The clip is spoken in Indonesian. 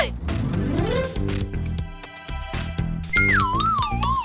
ya kita lanjut